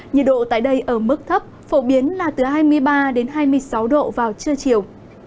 nhiệt độ tại đây ở mức thấp phổ biến là từ hai mươi ba đến hai mươi sáu độ vào trưa chiều